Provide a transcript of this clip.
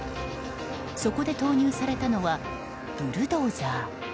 そこで投入されたのはブルドーザー。